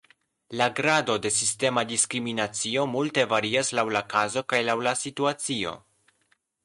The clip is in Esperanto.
La grado de sistema diskriminacio multe varias laŭ la kazo kaj laŭ la situacio.